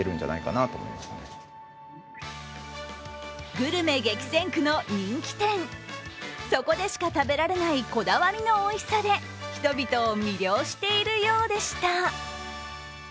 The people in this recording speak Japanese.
グルメ激戦区の人気店、そこでしか食べられない、こだわりのおいしさで人々を魅了しているようでした。